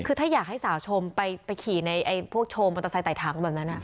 ก็ไม่อยากให้สาวชมไปขี่ในพวกชมอันตรายไต่ถังแบบนั้นอ่ะ